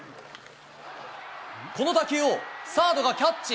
この打球をサードがキャッチ。